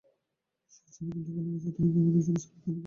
সে ছবি তুলতে ভালবাসত -তুমি কি আমাদের জন্য সালাদ নিতে পারো?